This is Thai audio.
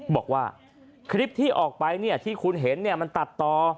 บอกว่าคลิปที่ออกไปเนี่ยที่คุณเห็นเนี่ยมันตัดต่อ